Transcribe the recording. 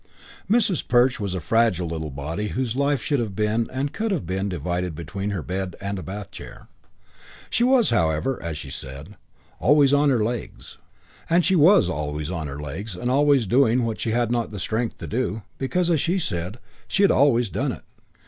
V Mrs. Perch was a fragile little body whose life should have been and could have been divided between her bed and a bath chair. She was, however, as she said, "always on her legs." And she was always on her legs and always doing what she had not the strength to do, because, as she said, she "had always done it."